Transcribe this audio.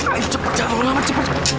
ayo cepet jangan lama cepet